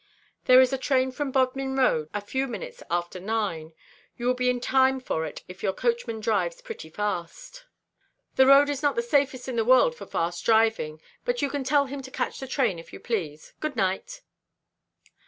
"There is a train from Bodmin Road a few minutes after nine. You will be in time for it if your coachman drives pretty fast." "The road is not the safest in the world for fast driving, but you can tell him to catch the train, if you please. Good night."